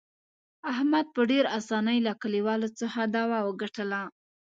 احمد په ډېر اسانۍ له کلیوالو څخه دعوه وګټله.